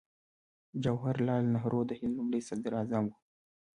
جواهر لال نهرو د هند لومړی صدراعظم شو.